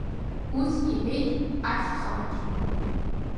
Ус иҳәеит Ашьхамаџь…